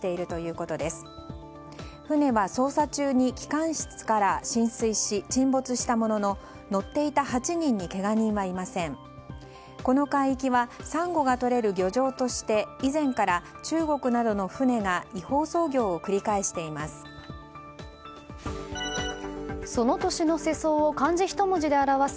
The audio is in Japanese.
この海域はサンゴがとれる漁場として以前から中国などの船が違法操業を繰り返しています。